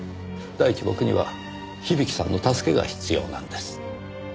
第一僕には響さんの助けが必要なんです。